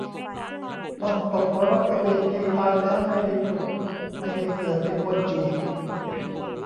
ต้องตกนรกอเวจีตายแล้วไม่ได้ผุดไม่ได้เกิดเป็นคนอีก